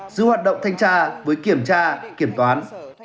giữa hoạt động thanh tra với kiểm tra kiểm toán